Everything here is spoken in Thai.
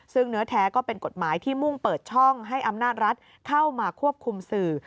ซึ่งเนื้อแท้ก็เป็นกฎหมายที่มุ่งเปิดช่องให้อำนาจรัฐเข้ามาควบคุมสื่อ